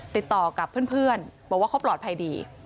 ติดต่อกับเพื่อนบอกว่าเขาปลอดภัยดี